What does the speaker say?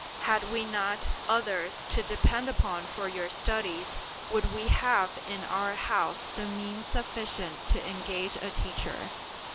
Had we not others to depend upon for your studies, would we have in our house the means sufficient to engage a teacher?